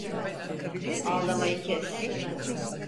Ağlamayı kes!